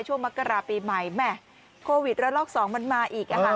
ช่วงมกราศปีใหม่แม่โควิดแล้วลอก๒มันมาอีกนะครับ